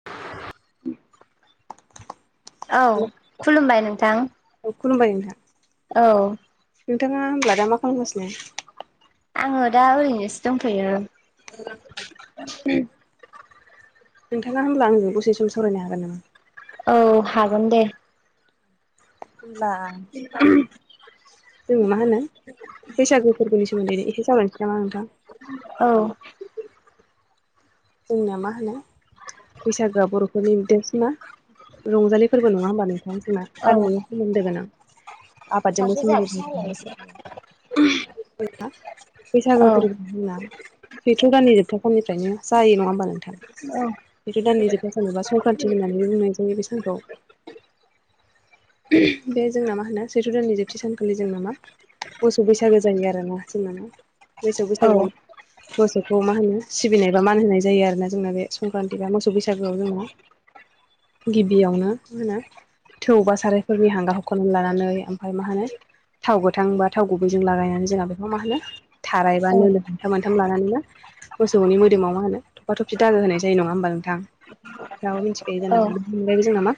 [inaudible] औ खुलुमबाय नोंथां खुलुमबाय नोंथां औ नोंथाङा होनोमब्ला दा मा खालामगासिनो आङो दा ओरैनोसो दंथैयो [inaudible] नोंथाङा होनब्ला ओ दसे सम सावरायनो हागोन नामा औ हागोन दे [inaudible] जोङो मा होनो बैसागु फोरबोनि सोमोनदैनो एसे जाबानोसै नामा नोंथां औ जोंनिया मा होनो बैसागोआ बर'फोरनि बिदिसमा रंजालिफोरबो नङा होमबा नोंथांा जोंना औ हारिमुजों सोमोन्दोोगोन आं सासे जोंहा आबादजोंबोोम फिसा होलायनोसै बैसागो औ फोर होनना सेथ' दाननि जोबथा साननिफ्रायनो जायो नङा होनोमबा नों बेथु दाननै जोबथा सानबा संक्रान्तथि होननानै बुंनाय जायो बे सानखौ बे जोंना मा होनो सैथ' दाननि जोबथि सानखालि जोंनाामा बोसौ बैसागो जायो आरोोना जोंनााना बैसाग औ बैसागुआव मोसौखौ मा होनो सिबिनाय मान होनाय जायो आरो ना जोंना बे संक्रान्ति बा मोसौ बैसागोआव जोंना गिबियावनो होना होनो [inaudible] थौ बा सारायफोरनि हांगार हखनानै लानानै ओमफ्राय मा होनो थाव गोथां बा थाव गुबैजों लागायनानै जोंहा बेखौ मा होनो थारायबा नोो मोनथाम मोनथाम लानानै ना मोसौनि मो मोदोमाव मा होन थफा थबसि दागो होनाय जायो नङा होमबा नोंथां ङाबो मिथिखायो जानागौ मोनलायबो जों नामा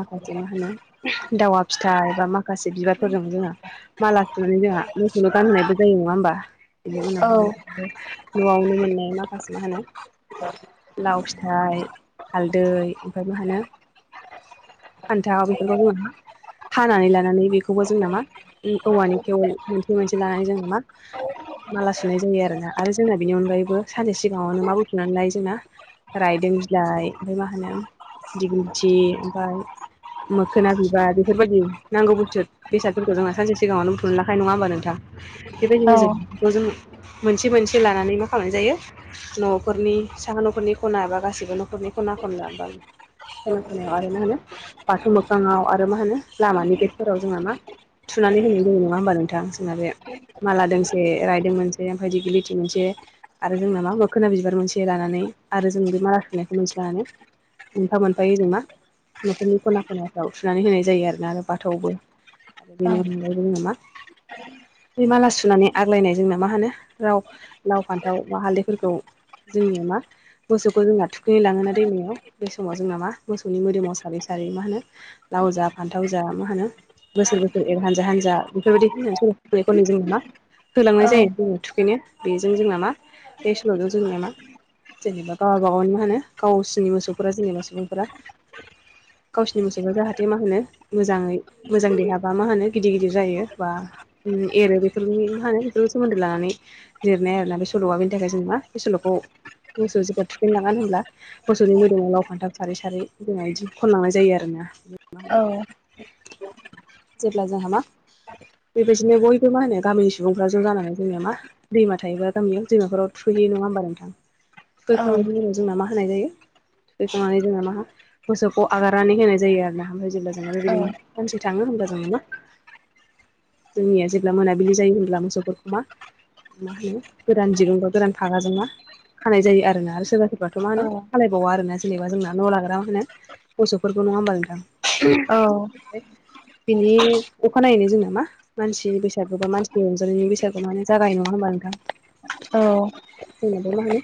माखासे मा होनो दावा फिथाइ एबा माखासे बिबारफोरजों जोङो माला थनानै जोंहा मोसलनो गानहोनायबो जायो नङा होमबा बिनि औ उनाव न'आवनो मोननाय माखासे मा होनो लाव फिथाइ हालदै ओमफ्राय माह होनो खान्था बेफोरबो नामा खानानै लानानै बेखौबो जों नामा औवानि खेव मोनसे मोनसे लानानै जों नामा माला सुनाय जायो आरोोना आरो जोंना बेनि अनगायैबो साननसे सिगाङावनो मा बुथुनानै लाय जोंना रायदों बिलाइ ओमफ्राय मा होनो दिगन्थि ओमफाय मोखोना बिबार बेफोरबायदि नांगौ बुस्थु बेसादफोरखौ जोंहा सानसे सिगाङाव बुथुमनो लाखानाय नङा होनोमबा नोंथां औ बेबायदिनो जोंखौ जों मोनसे मोनसे लानानै मा खालामनाय जायो न'फोरनि साहा न'खरनि खना एबा गासैबो न'खरनि खना खनलाब खोना खोनायाव आरो मा होनो बाथौ मोखाङाव आरो मा होनो लामानि गेटफोराव जोंहा मा थुनानै होनाय जायो नङा होमबा नोंथां जोंना बे माला दोंसे रायदों मोनसेै ओमफ्राय बिदि गिलिथिं मोनसे आरो जोंनामा मोखोना बिबार मोनसे लानानै आरो जों बे मारा सुनायखौ मोनसे लानानै मोनफा मोनफायो जों मा न'खरनि खना खनाफ्राव थुनानै होनाय जायो आरोना आरो बाथौआवबो। आरो बेनि अनगायोयबो जोंहा मा बे माला सुनानै आग्लायनाय जोंनो मा होनो राव लाव फान्थाव मा हालदैफोरखौ जोंनिया मा मोसौखौ जोंना थुखै लाङोना दैमायाव बे समाव जोंना मा मोसौनि मोदोमाव सारै सारै मा होनो लाव जा फान्थाव जा मा होनो बोसोर बोसोर एर हानजा हानजा बेफोरबायदि बुंना सल' खनै खनै जों नामा औ होलांनाय जायो दैआव थुखैनो बेजों जोंना मा बे सोल'जों जोंनिया मा जेनेबा गाव गागाव मा होनो गावसिनि मोसौफोरा जेनेबा सुबुंफोरा गावसिनि मोसौफ्रा जाहाथे मा होनो मोजाङै मोजां देहाबा मा होनो गिदिर गिदिर जायो बा एरो बेफोरनि मा होनो बेफोरखौ सोमोन्दो लानानै लिरनाय आरोना बे सल'आ बेनि थाखाय जों मा बे सल'खौ मोसौ जेब्ला थुखैनांगोन होनोमब्ला मोसौनि मोदोमाव लाव फान्थाव सारै सारै जोङा बिदि खनलांनाय जायो आरोना। मा होनो औ। जेब्ला जोंहा मा बेबायदिनो बयबो मा होनो गामिनि सुबुंफ्रा ज' जानानै जोंनिया मा दैमा थायोबा गामियाव दैमाफोराव थुखैयो नङा होमबा नोंथां? औ थुखैखांनायनि औ उनाव जोंना मा होनाय जायो थुखैखांनानै जोंना मा मोसौखौ आगारनानै होनाय जायो आरोना आमफ्राय जेब्ला औ बिदिनो मानसि थाङो हब्ला जोङा मा जोंनिया जेब्ला मोनाबिलि जायो होनब्ला मोसौफोरखौ मा मा होनो गोरान दिरुंबा गोरान फागाजों मा खानाय जायो आरोना आरो सोरबा सोरबा थ' मा उम होनो औ खालायबावा आरो ना जेनेबा जोंना न' लाग्रा मा होनो मोसौफोरखौ नङा होमबा नोंथां? औ। ओमफ्राय बिनि अखानायैनो जोंना मा मानसिनि बैसागु बा मानसिनि रंजालिनि बैसागु माने जागाय नङा होनबा नोंथां? औ। जोंनाबो मा होनो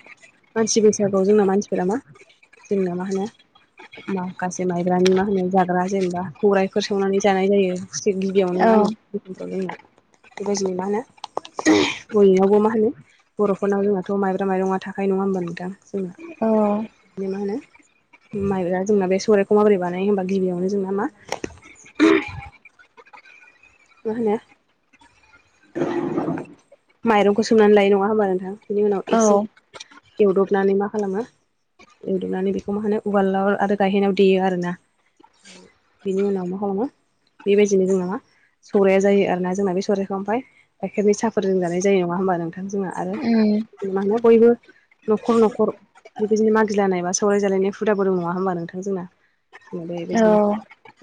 मानसि बैसागुआव जोंना मानसिफोरा मा जोंना मा होनो माखासे माइब्रानि मा होनो जाग्रा जेनेबा सौराइफोर सौनानै जानाय जायो गिबियावनो आङो उनफ्राव जोंना बेबायदिनो मा होनो बयनावबो मा होनो बर'फोरनाव जोंहाथ' माइब्रा माइरङा थाखायो नङा होनबा नोंथां जोंना? औ। बि मा होनो माइब्रा जोंना बे सौराइखौ माबोरै बानायो होमबा गिबियावनो जोंना मा [unintelligible] मा होनो माइरंखौ सोमनानै लायो नङा होमबा नोंथां बेनि उनाव एसे एवदबनानै मा खालामो एवदबनानै बेखौ मा होनो उवालला आरो गायहेनाव देयो आरो ना। बिनि उनाव मा खालामो बेबायदिनो जोंना मा सौराया जायो आरोना जोंना बे सौराइखौ ओमफ्राय गाइखेरनि साहफोरजों जानाय जायो नङा होमबा नोंथां जोंहा आरो मा होनो बयबो न'खर न'खर बेबायदिनो मागिलानाय बा सावराय जालायनाय हुदाब दं नङा होनोमबा नोंथां जोंना? औ बेबायदिनो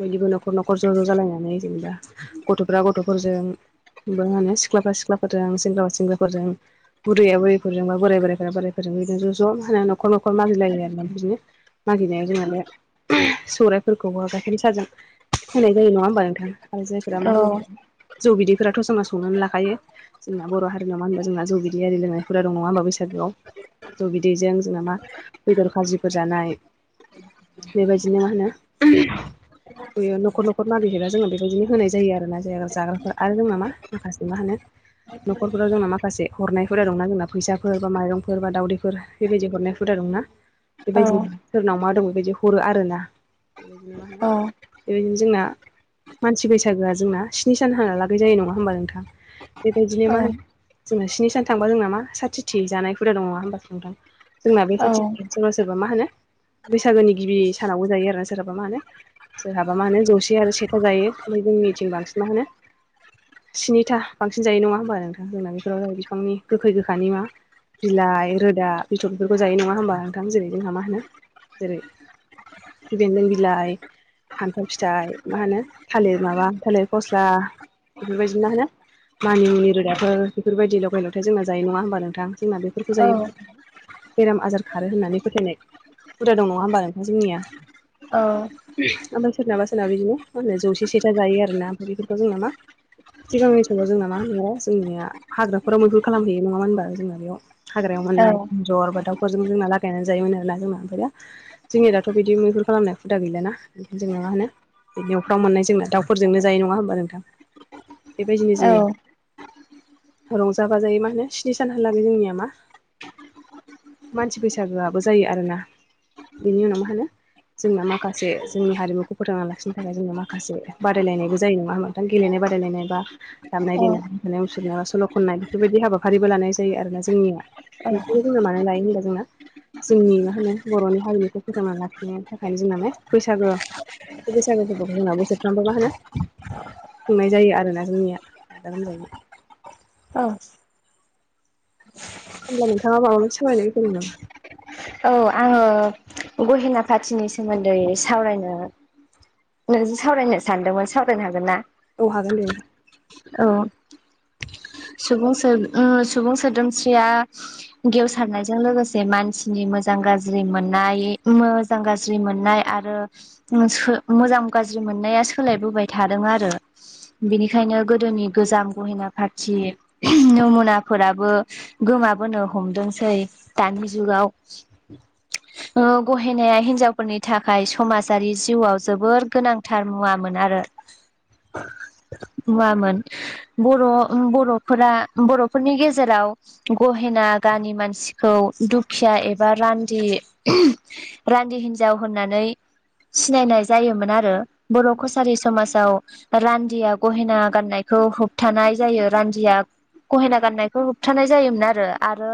बयनिबो न'खर न'खर ज' ज' जालायनानै जेनेबा गथ'फ्रा गथ'फोरजों होमबा माहोनो सिख्लाफ्रा सिख्लाफोरजों सेंग्राफ्रा सेंग्राफोरजों बुरैया बुरैफोरजोंबा बोराय बोराया बोरायफोरजोंबो बिदिनो ज' ज' होनो न'खर न'खर मागिलायो आरो ना बिदिनो मागिनायाव जोंना बे सौराइफोरखौबो गाइखेर साजों होनाय जायो नङा होमबा नोंथां आरो जायफोरा मा होनो जौ बिदैफोराथ' जोंना संनानै लाखायो। जोंना बर' हारिनाव मा होनबा जोंना जौ बिदि आरि लोंनाय हुदा दं नङा होनोमबा बैसागोआव? जौ बिदैजों जोंन मा बेदर खाजिफोर जानाय बेबायदिनो मा होनो बेयो न'खर न'खर मागिहैगब्ला जो बेबायदिनो होनाय जायो। आरो ना जा जाग्राफ्रा आरो दं नामा माखासे मा होनो न'खरफोराव जोंना माखासे हरनाय हुदा दंना जोंना फैसाफोर बा माइरंफोर बा दावदैफोर बेबायदि हरनाय हुदा दंना बेबायदिनो सोरनाव मा दं बेबायदि हरो आरोना बेबायदिनो मा होनो बेबायदिनो जोंना मानसि बैसागोआ जोंना स्नि सान हा ला गै जायो नङा होमबा नोंथां। बेबायदिनो मा होनो जोङो स्नि सान थांबा जोंनाामा साथिथि जानाय हुदा दङ नङा होनोमबा नोंथां। जोंना बे साथिथि सोरबा -सोरबा मा होनो बैसागोनि गिबि सानावबो जायो आरोना सोरहाबा मा होनो जोंहाबा मा होनो जौसे आरो सेथा जायो। ओमफ्राय जोंनिथिं बांसिन मा होनो स्निथा बांसिन जायो नङा होमबा आरो नोंथां। जोंना बेफोराव जाय बिफांनि गोखै गोखानि मा बिलाइ, रोदा, बिथर बेफोरखौ जायो नङा होमबा नोंथां। जेरै जोंहा मा होनो जेरै बेन्न्द बिलाइ, खान्थाल फिथाइ मा होनो थालिर माबा थालिर फस्ला बेफोरबायदि मा होनो मानि मुनि रोदाफोर बेफोरबायदि लगाय -लथाय जोंना जायो नङा होमबा नोंथां। जोंना बेफोरखौ जायो बेराम आजार खारो होननानै फोथायनाय हुदा दं नङा होमबा नोंथां जोंनिया। औ ओमफ्राय सोरनाबा- सोरनाबा बिदिनो मो जौसे सेथा जायो आरोना ओमफ्राय बेफोरखौ जों नामा सिगांनि न समोलाव जोंना नामा नङा जोंनिया हाग्राफोरा मैहुन खालामहैयो नङामोन होनबा जोंना बेयाव हाग्रायाव मोननाय एन्जर बा दाउफोरजों जोंना लागायनानै जायोमोन आरोना जोंना ओमफ्राया जोंनि दाथ' बिदि मैहुर खालामनाय हुदा गैलााना। बेखायनो जोंनो मा होनो बे नफ्राव मोननाय जोंना दाफोरजोंनो जायो नङा होमबा नोंथां। बेबायदिनो जोंनिया रंजा बाजायो मा होनो स्नि सानहालागै जोंनिया मा मानसि बैसागोआबोबो जायो आरो ना। बेनि उनाव मा होनो जोंना माखासे जोंनि हारिमुखौ फोथांना लाखिनो थाखाय जोंना माखासे बादायलायनायबो जायो नङा नोंथां। गेलेनाय बाददि [unintelligible] दामनाय- देनाय मोसानाय, मुसुरनाया सल' खननाय बेफोरबायदि हाबाफारिबो लानाय जायो आरोना जोंनिया। औ बेखौनो बुंनो मानो लायो होनबा जोंना जोंनि मा होनो बर'नि हारिमुखौ फोथांना लाखिनायनि थाखायनो जोंना म बैसागो बैसागु फोरफोरखौ जोंना बोसोरफ्रोमबो म होनो सोंनाय जायो आरोना जोंनिया गादा गोमजायै। औ होमब्ला नोंथाङा माबा मोनदि सोलायनाय हो फैदोंमोन? औ आङो गहेना पा्थिनि सोमोन्दै सावरायनो नोंजों सावरायनो सानदोंमोन सावरायनो हागोन ना? औ हागोन देनो। औ सुबुं -सुबुं सोदोमस्रिया गेवसारनायजों लोगोसे मानसि मोजां गाज्रि मोननाय मोजां गाज्रि मोननाय आरो मोजां गाज्रि मोननाया सोलायबोबाय थादों आरो बिनिखायनो गोदोनि गोजाम गहेना फारथि नमुनाफोराबो गोमाबोनो हमदोंसै। दानि जुगाव गहेनाया हिनजावफोरनि थाखाय समाजारि जिउआव जोबोर गोनां। थार मुवामोन आरो। [inaudible] मुवामोन बर' बर'फोरा बर'फोरनि गेजेराव गहेना गामि मानसिखौ दुखिया एब बा रान्दि रान्दि हिन्जाव होननानै सिनायनाय जायोमोन आरो बर' कसारि समाजाव रान्दिया गहेना गाननायखौ होबथानाय जायो रान्दिया गहेना गाननायखौ होबथानाय जायोमोन आरो आरो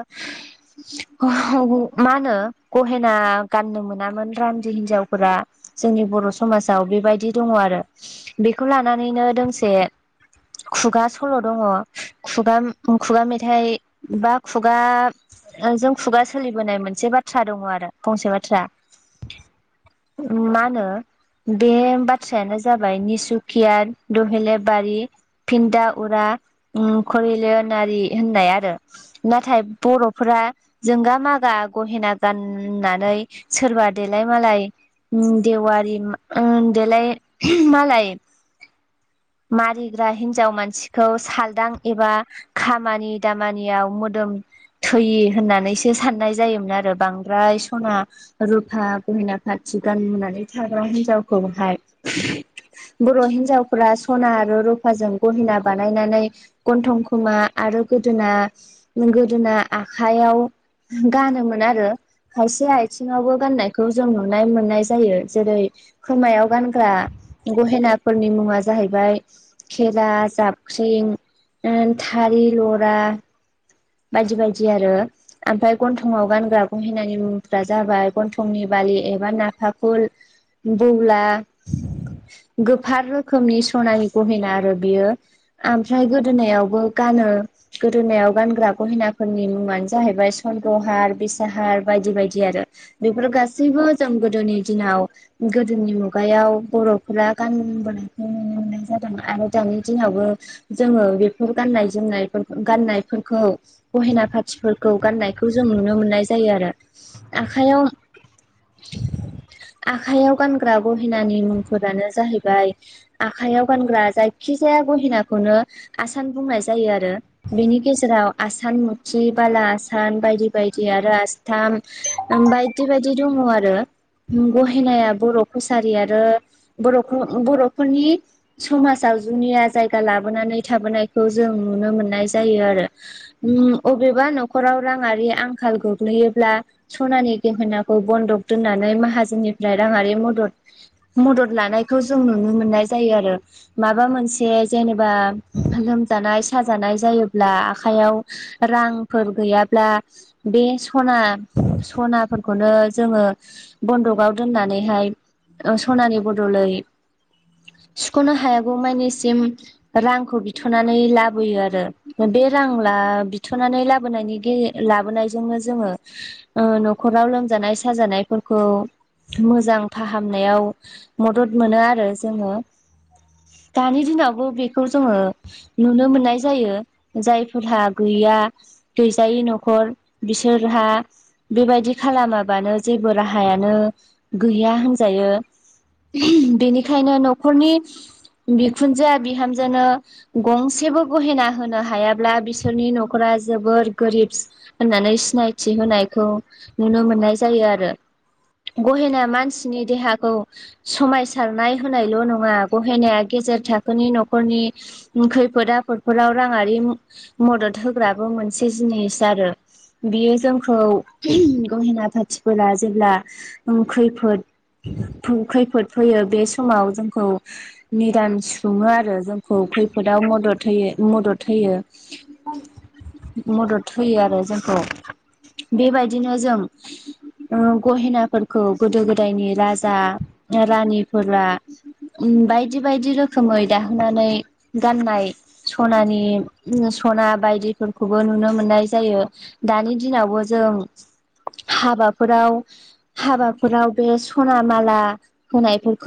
मा होनो गहेना गाननो मोनामोन रानदि हिनजावफोरा जोंनि बर' समाजाव बेबायदि दङ आरो बेखौ लानानैनो दोंसे खुगा सल' दङ खुगा, खुगा मेथाइ बा खुगा ओ जों खुगा सोलि बोनाय मोनसे बाथ्रा दङ आरो फंसे बाथ्रा उम मानो? बे बाथ्रायानो जाबाय निसुकिया दुहेलेबारि। फिन्न्दा उरा उम करेलियनारि होननाय आरो। नाथाय बर'फोरा जोंगा माग गा गहेना गाननानै सोरबा देलाय मालाय देवारि उम देलाय मालाय मारिग्रा हिन्जाव मानसिखौ सालदां एबा खामानि दामानियाव मोदोम थैयि होननानैसो साननाय ज जायोमोन आरो बांद्राय सना रुफा गहिना पाथि गाननानै थाग्रा हिनजावखौहाय। बर' हिन्जावफोरा सना आरो रुफाजों गहिना बानायनानै गन्थं खोमा आरो गोदोना गोदोना आखायाव गानोमोन आरो खायसे आयथिङावबो गाननायखौ जों नुनाय मोननाय जायो जेरै खोमायाव गानग्रा गहेनाफोरनि मुङा जाहैबाय खेला जाबख्रिं ओ थारि लरा बायदि बायदि आरो ओमफ्राय गन्थंआव गानग्रा गहेनानि मुंफोरा जाबाय गन्थंनि बालि एबा नाकाफुल। दौला गोफार रोखोमनि सनानि गहेना आरो बियो। आमफ्राय गोदोनायावबो गानो गोदोनायाव गानग्रा गहेनाफोरनि मुङानो जाहैबाय सन्द्रहार बेसाहार बायदि बायदि आरो। बेफोर गासैबो जों गोदोनि दिनाव गोदोनि मुगायाव बर'फोरा गानबोनायखौ नुनो मोननाय जादों आरो दानि दिनावबो जोङो बेफोर गाननाय जोमनाय गाननायफोरखौ गहेना पाथिफोरखौ गान्नायखौ जों नुनो मोननाय जायो आरो आखायाव आखाइयाव गानग्रा गहेनानि मुंफोरानो जाहैबाय आखाइयाव गानग्रा जायखिजाया गहेनाखौनो आसान बुंनाय जायो आरो। बिनि गेजेराव आसान मुथि बाला आसान बायदि बायदि आरो आसथाम। बायदि बायदि दङ आरो। गहेनाया बर' कसारि आरो बर'खौ बर'फोरनि समाजाव जुनिया जायगा लाबोनानै थाबोनायखौ जों नुनो मोननाय जायो आरो। उम अबेबा न'खराव राङारि आंखाल गोग्लैयोब्ला सनानि गेहेनाखौ बन्दक दोननानै माहाजोननिफ्राय राङारि मदद मदद लानायखौ जों नुनो मोननाय जायो आरो। माबा मोनसे जेनेबा लोमजानाय साजानाय जायोब्ला आखाइयाव रांफोर गैयाब्ला बे सना सनाफोरखौनो जोङो बन्दकआव दोननानैहाय सनानि बदलै सुख'नो हायागौमानिसिम रांखौ बिथ'नानै लाबोयो आरो बे रां ला बिथ'नानै लाबोनायनि गे लाबोनायजोंनो जोङो ओ न'खराव लोमजानाय साजानायफोरखौ मोजां फाहामनायाव मदद मोनो आरो जोङो दानि दिनावबो बेखौ जोङो नुनो मोननाय जायो जायफोरहा गैया गैजायै न'खर बिसोरहा बेबायदि खालामाबानो जेबो राहायानो गैया होनजायो। बेनिखायनो न'खरनि बिखुनजोआ बिहामजोनो गंसेबो गहेना होनो हायाब्ला बिसो सोरनि न'खरा जोबोर गोरिब होननानै सिनायथि होनायखौ नुनो मोननाय जायो आरो गहेनाया मानसिनि देहाखौ समायसारनाय होनायल' नङा गहेनाया गेजेर थाखोनि न'खरनि खैफोद आफोदफोराव राङारि मदद होग्राबो मोनसे जिनिस आरो बियो जोंखौ गहेना पाथिफोरा जेब्ला ओम खैफोद खैफोद फैयो बे समाव जोंखौ निदान सुफुङो आरो जोंखौ खैफोदाव मदद होयो मदद होयो। बां मदद होयो आरो जोंखौ बेबायदिनो जों ओ गहेनाफोरखौ गोदो गोदायनि राजा ओ रानिफोरा ओम बायदि बायदि रोखोमै दाहोनानै गाननाय सनानि [unintelligible] सना बायदिफोरखौबो नुनो मोननाय जायो। दानि दिनावबो जों हाबाफोराव हाबाफोराव बे सना माला होनायफोरखौ